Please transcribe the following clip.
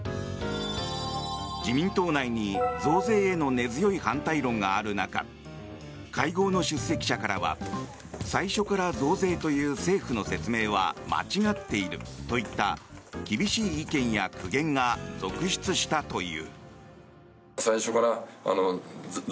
自民党内に増税への根強い反対論がある中会合の出席者からは最初から増税という政府の説明は間違っているといった厳しい意見や苦言が続出したという。